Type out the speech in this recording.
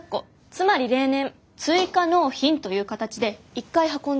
つまり例年追加納品という形で１回運んでいます。